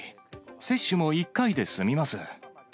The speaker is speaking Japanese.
接種も１回で済みます。